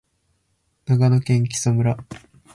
長野県木祖村